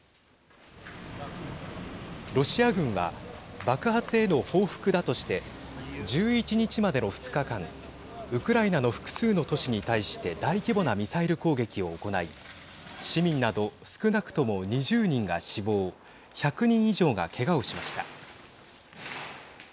ロシア軍は爆発への報復だとして１１日までの２日間ウクライナの複数の都市に対して大規模なミサイル攻撃を行い市民など少なくとも２０人が死亡１００人以上がけがをしました。